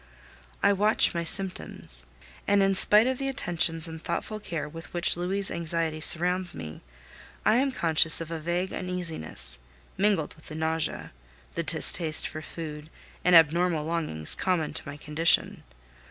I watch my symptoms; and in spite of the attentions and thoughtful care with which Louis' anxiety surrounds me, I am conscious of a vague uneasiness, mingled with the nausea, the distaste for food, and abnormal longings common to my condition.